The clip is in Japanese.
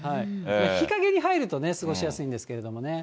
日陰に入るとね、過ごしやすいんですけどね。